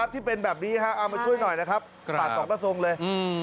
ที่เป็นแบบนี้เอามาช่วยหน่อยนะครับปากสองกระทรงเลย